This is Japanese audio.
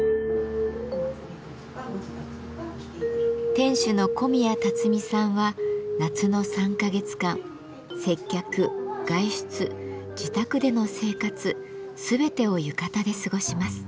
店主の小宮たつみさんは夏の３か月間接客外出自宅での生活全てを浴衣で過ごします。